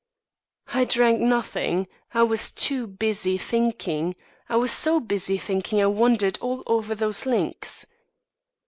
"I drank nothing; I was too busy thinking. I was so busy thinking I wandered all over those links."